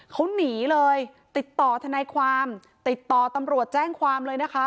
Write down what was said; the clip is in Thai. เขาหนีเลยติดต่อทนายความติดต่อตำรวจแจ้งความเลยนะคะ